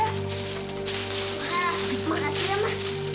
wah makasih nama